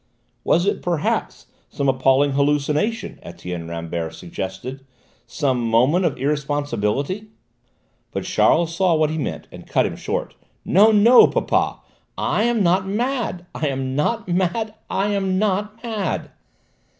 "Was it, perhaps, some appalling hallucination," Etienne Rambert suggested: "some moment of irresponsibility?" But Charles saw what he meant and cut him short. "No, no, papa! I am not mad! I am not mad! I am not mad!"